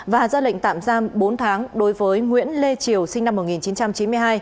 và ra lệnh tạm giam bốn tháng đối với nguyễn lê triều sinh năm một nghìn chín trăm chín mươi hai